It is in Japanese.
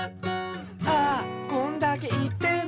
「ああこんだけ言っても」